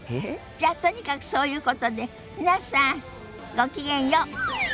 じゃあとにかくそういうことで皆さんごきげんよう。